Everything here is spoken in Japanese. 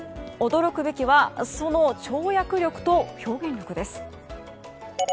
驚くべきはその跳躍力と表現力です。